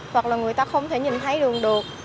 hoặc là người ta không thể nhìn thấy đường được